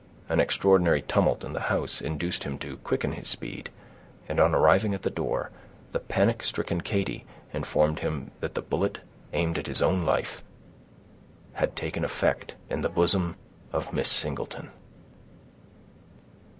An extraordinary tumult in the house induced him to quicken his speed, and on arriving at the door, the panic stricken Katy informed him that the bullet aimed at his own life had taken effect in the bosom of Miss Singleton.